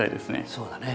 そうだね。